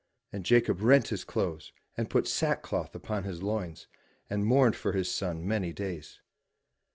And Jacob rent his clothes, and put sackcloth upon his loins, and mourned for his son many days.